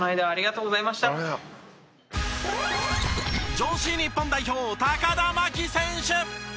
女子日本代表田真希選手。